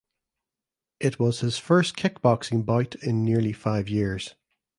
It was his first kickboxing bout in nearly five years.